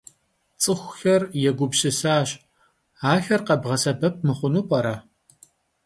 Ts'ıxuxer yêgupsısaş: axer khebğesebep mıxhunu p'ere?